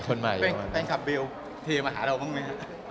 แฟนคลับเบลเทมาหาเราบ้างไหมครับ